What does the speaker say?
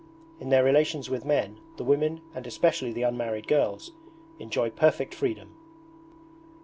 In their relations with men the women, and especially the unmarried girls, enjoy perfect freedom.